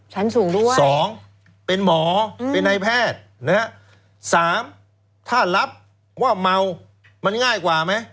ชั้นสูงด้วย๒เป็นหมอเป็นไอแพทย์๓ถ้ารับว่าเมามันง่ายกว่าไหม